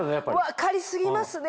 分かり過ぎますね